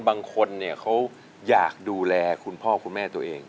บางคนเนี่ยเขาอยากดูแลคุณพ่อคุณแม่ตัวเอง